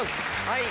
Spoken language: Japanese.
はい。